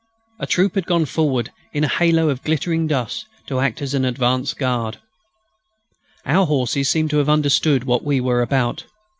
A troop had gone forward in a halo of glittering dust to act as an advance guard. Our horses seemed to have understood what we were about.